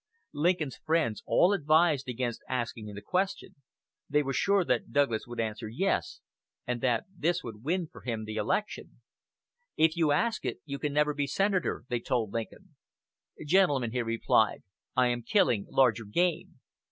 Lincoln's friends all advised against asking the question. They felt sure that Douglas would answer, "Yes," and that this would win him his election. "If you ask it, you can never be senator," they told Lincoln. "Gentlemen," he replied, "I am killing larger game.